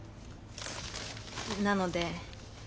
なので。